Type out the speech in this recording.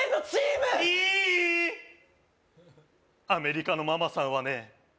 アメリカのママさんはね